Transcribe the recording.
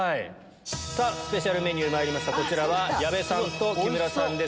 スペシャルメニューまいりました矢部さんと木村さんです。